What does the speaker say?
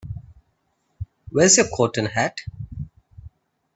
Where's your coat and hat?